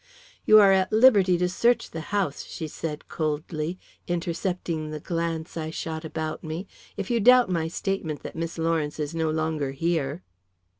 "You are at liberty to search the house," she said coldly, intercepting the glance I shot about me, "if you doubt my statement that Miss Lawrence is no longer here."